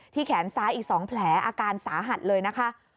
แขนซ้ายอีก๒แผลอาการสาหัสเลยนะคะ